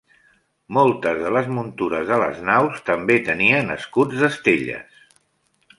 Moltes de les muntures de les naus també tenien escuts d'estelles.